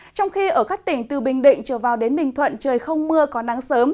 trong khi ở các tỉnh từ bình định trở vào đến bình thuận trời không mưa có nắng sớm